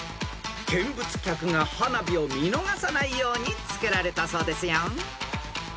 ［見物客が花火を見逃さないようにつけられたそうですよ］